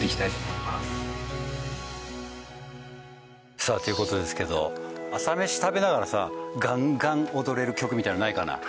さあという事ですけど朝メシ食べながらさガンガン踊れる曲みたいなのないかな？